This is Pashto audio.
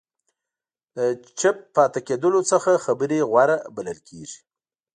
د چوپ پاتې کېدلو څخه خبرې غوره بلل کېږي.